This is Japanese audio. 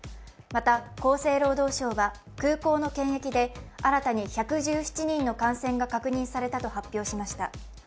また厚生労働省は空港の検疫で新たに１１７人の感染が確認されたと発表しました。